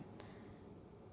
ya tentu kita akan bantu